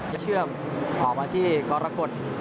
และเชื่อมออกมาที่กรกฎ